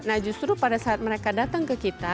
nah justru pada saat mereka datang ke kita